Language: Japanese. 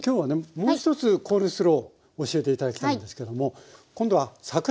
もう一つコールスロー教えて頂きたいんですけども今度は桜えびのコールスロー。